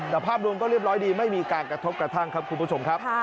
แต่ภาพรวมก็เรียบร้อยดีไม่มีการกระทบกระทั่งครับคุณผู้ชมครับ